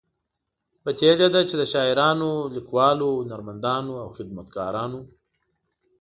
پتیلې ده چې د شاعرانو، لیکوالو، هنرمندانو او خدمتګارانو